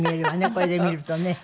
これで見るとね。